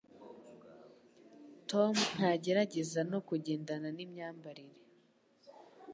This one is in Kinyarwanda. Tom ntagerageza no kugendana nimyambarire.